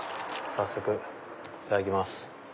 早速いただきます。